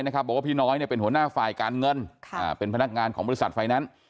บอกว่าพี่น้อยเป็นหัวหน้าฝ่ายการเงินเป็นพนักงานของบริษัทไฟแนนซ์